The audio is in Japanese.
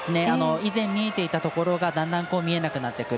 以前見ていてたところがだんだん、見えなくなってくる。